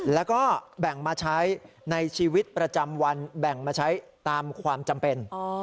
แล้วก็แบ่งมาใช้ในชีวิตประจำวันแบ่งมาใช้ตามความจำเป็น